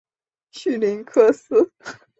绪林克斯。